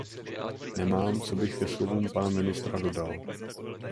Nemám, co bych ke slovům pana ministra dodal.